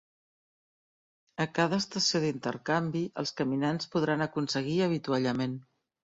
A cada estació d'intercanvi, els caminants podran aconseguir avituallament.